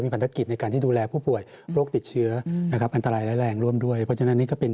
พันธกิจในการที่ดูแลผู้ป่วยโรคติดเชื้อนะครับอันตรายและแรงร่วมด้วยเพราะฉะนั้นนี่ก็เป็น